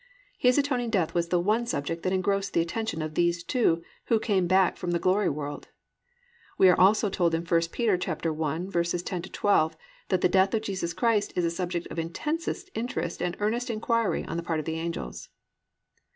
"+ His atoning death was the one subject that engrossed the attention of these two who came back from the glory world. We are also told in I Peter 1:10 12 that the death of Jesus Christ is a subject of intensest interest and earnest inquiry on the part of the angels.